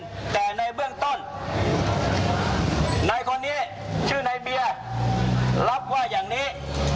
แต่ในเบื้องต้นนายคนนี้ชื่อนายเบียร์รับว่าอย่างนี้